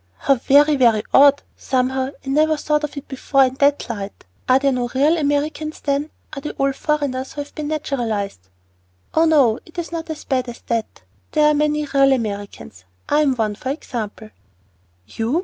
"How very, very odd. Somehow I never thought of it before in that light. Are there no real Americans, then? Are they all foreigners who have been naturalized?" "Oh, no. It is not so bad as that. There are a great many 'real Americans.' I am one, for example." "You!"